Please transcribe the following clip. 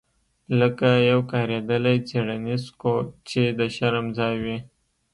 لکه یو کاریدلی څیړنیز کوچ چې د شرم ځای وي